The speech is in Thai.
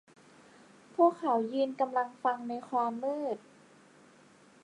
พวกเขายืนกำลังฟังในความมืด